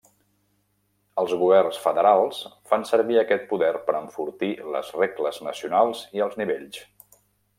Els governs federals fan servir aquest poder per enfortir les regles nacionals i els nivells.